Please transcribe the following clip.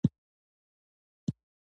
ورزش د بدن ټول غړي منظم کار ته هڅوي.